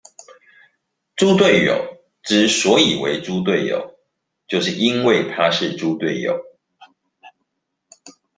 豬隊友之所以為豬隊友，就是因為他是豬隊友